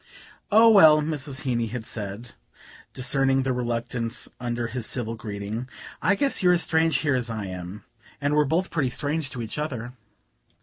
"Oh, well," Mrs. Heeny had said, discerning the reluctance under his civil greeting, "I guess you're as strange here as I am, and we're both pretty strange to each other.